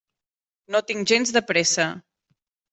No tinc gens de pressa.